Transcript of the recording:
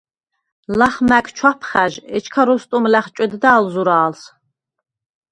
ლახ მა̈გ ჩვაფხა̈ჟ, ეჩქა როსტომ ლა̈ხჭვედდა ალ ზურა̄ლს: